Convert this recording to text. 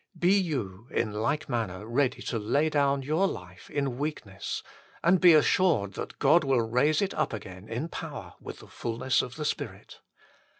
Be you in like manner ready to lay down your life in weakness, and be assured that God will raise it up again in power with the fulness of the Spirit.